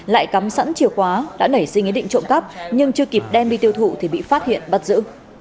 lại cắm sẵn chìa khóa đã nảy sinh ý định trộm cắp nhưng chưa kịp đem đi tiêu thụ thì bị phát hiện bắt giữ